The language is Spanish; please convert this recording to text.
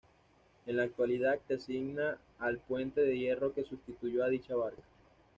En la actualidad designa al puente de hierro que sustituyó a dicha barca.